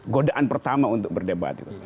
godaan pertama untuk berdebat